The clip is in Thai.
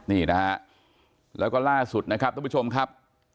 นี่นะฮะแล้วก็ล่าสุดนะครับทุกผู้ชมครับ